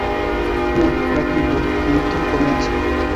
Nu, rapidu, ni tuj komencu!